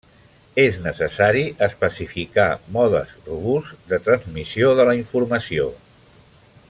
És necessari especificar modes robusts de transmissió de la informació.